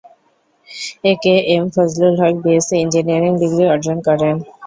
এ K M Fazlul Haque BSc engineering degree অর্জন করেন।